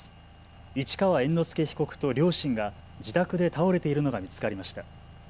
市川猿之助被告と両親が自宅で倒れているのが見つかりました。